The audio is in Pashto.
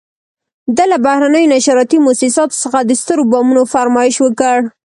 ده له بهرنیو نشراتي موسساتو څخه د سترو بمونو فرمایش وکړ.